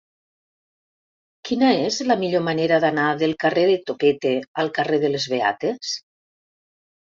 Quina és la millor manera d'anar del carrer de Topete al carrer de les Beates?